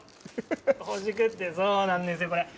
ほじくって、そうなんですよ、これ。